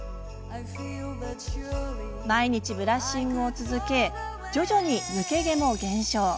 毎日、ブラッシングを続け徐々に抜け毛も減少。